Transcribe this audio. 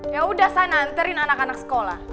ya udah saya nantarin anak anak sekolah